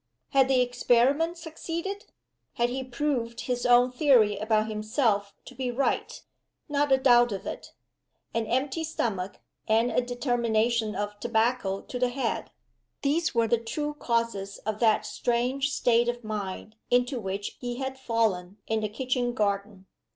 Had the experiment succeeded? Had he proved his own theory about himself to be right? Not a doubt of it! An empty stomach, and a determination of tobacco to the head these were the true causes of that strange state of mind into which he had fallen in the kitchen garden.